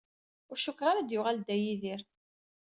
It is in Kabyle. Ur cukkeɣ ara ad d-yuɣal Dda Yidir.